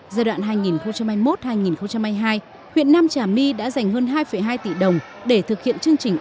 giai đoạn hai nghìn hai mươi một hai nghìn hai mươi hai huyện nam trà my đã dành hơn hai hai tỷ đồng để thực hiện chương trình